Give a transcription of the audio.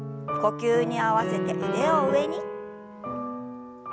呼吸に合わせて腕を上に。